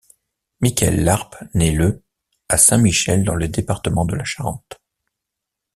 Mickaël Larpe naît le à Saint-Michel dans le département de la Charente.